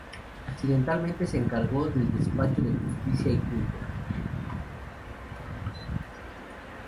Accidentalmente, se encargó del despacho de Justicia y Culto.